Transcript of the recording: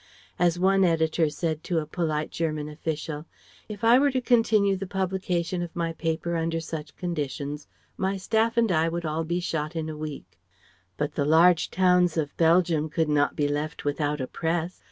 As one editor said to a polite German official: "If I were to continue the publication of my paper under such conditions, my staff and I would all be shot in a week." But the large towns of Belgium could not be left without a Press.